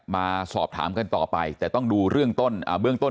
มาสอบถามกันต่อไปแต่ต้องดูเรื่องต้น